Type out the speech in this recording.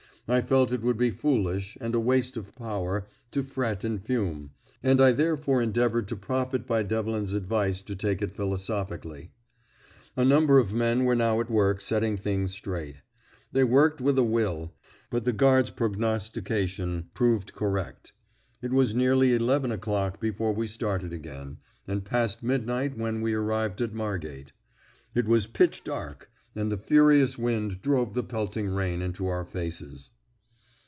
I felt it would be foolish, and a waste of power, to fret and fume, and I therefore endeavoured to profit by Devlin's advice to take it philosophically. A number of men were now at work setting things straight. They worked with a will, but the guard's prognostication proved correct. It was nearly eleven o'clock before we started again, and past midnight when we arrived at Margate. It was pitch dark, and the furious wind drove the pelting rain into our faces.